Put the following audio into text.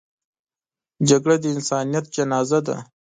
جګړه د انسانیت جنازه ده